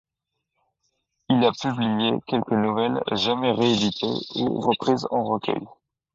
Il a publié quelques nouvelles, jamais rééditées ou reprises en recueil.